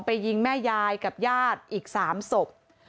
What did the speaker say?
ไปยิงแม่ยายกับย่าดอีก๓ศพ